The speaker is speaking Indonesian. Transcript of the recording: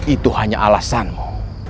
itu hanya alasanmu